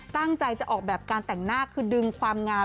ตั้งใจจะออกแบบการแต่งหน้าคือดึงความงาม